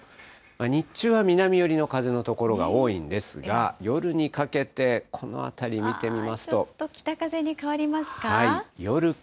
日中は南寄りの風の所が多いんですが、夜にかけて、ちょっと北風に変わりますか？